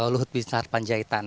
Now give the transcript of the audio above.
luhut bintang harapan jaitan